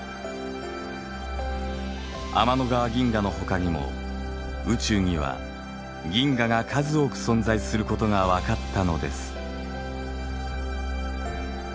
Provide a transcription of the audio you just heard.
天の川銀河のほかにも宇宙には銀河が数多く存在することがわかったのです。